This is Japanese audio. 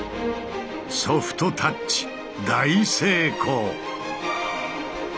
ソフトタッチ大成功！